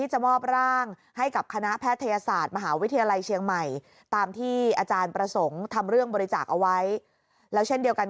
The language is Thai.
หากทำเรื่องบริจาคเอาไว้แล้วเช่นเดียวกัน